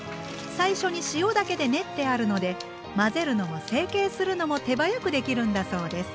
最初に塩だけで練ってあるので混ぜるのも成形するのも手早くできるんだそうです。